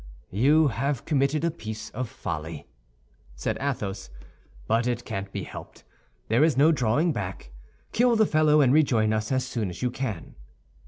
"You have committed a piece of folly," said Athos, "but it can't be helped; there is no drawing back. Kill the fellow, and rejoin us as soon as you can."